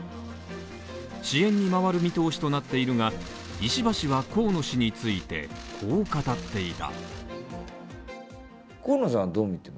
支援に回る見通しとなっているが、石破氏は河野氏についてこう語っていた。